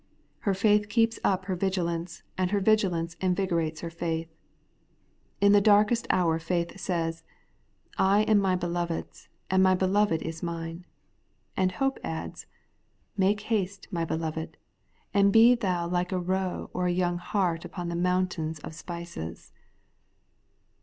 Her faith keeps up her vigilance, and her vigUance invigorates her faith. In the darkest hour faith says, ' I am my Beloved's, and my Beloved is mine ;' and hope adds, ' Make haste, my beloved, and be thou like to a roe or a young hart upon the mountains of spices.